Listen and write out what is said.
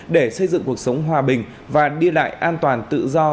để xây dựng cuộc sống hòa bình và đi lại an toàn tự do